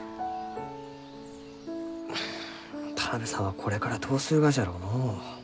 田邊さんはこれからどうするがじゃろうのう？